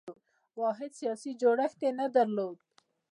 واحد سیاسي جوړښت یې نه درلود.